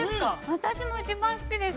◆私も一番好きです。